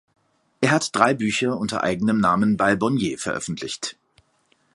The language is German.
Er hat drei Bücher unter eigenem Namen bei Bonniers veröffentlicht.